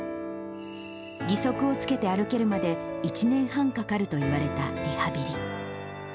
義足をつけて歩けるまで１年半かかると言われたリハビリ。